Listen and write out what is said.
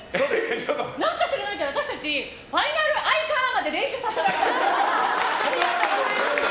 何か知らないけど私たちファイナル愛花！まで練習させられた。